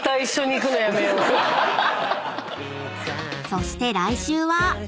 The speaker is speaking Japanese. ［そして来週は］